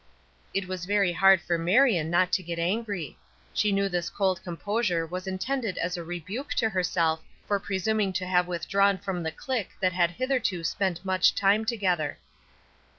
It was very hard for Marion not to get angry. She knew this cold composure was intended as a rebuke to herself for presuming to have withdrawn from the clique that had hitherto spent much time together.